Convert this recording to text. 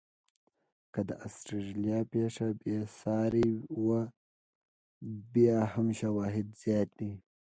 که د استرالیا پېښه بې ساري وه، بیا هم شواهد زیات دي.